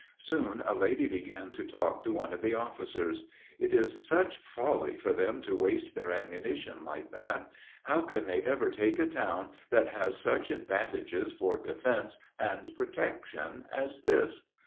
Soon a lady began to talk to one of the officers: "It is such folly for them to waste their ammunition like that. How can they ever take a town that has such advantages for defense and protection as this?